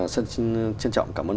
xin trân trọng cảm ơn ông